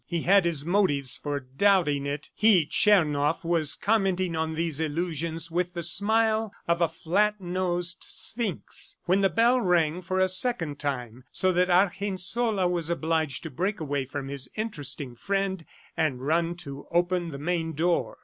He had his motives for doubting it. ... He, Tchernoff, was commenting on these illusions with the smile of a flat nosed sphinx when the bell rang for a second time, so that Argensola was obliged to break away from his interesting friend, and run to open the main door.